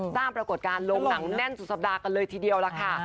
ปรากฏการณ์ลงหนังแน่นสุดสัปดาห์กันเลยทีเดียวล่ะค่ะ